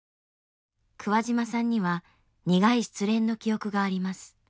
桑島さんには苦い失恋の記憶があります。